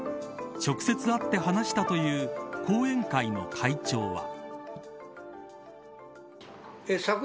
直接会って話したという後援会の会長は。